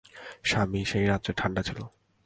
স্বামী সে রাত্রে ঠাণ্ডা ছিল।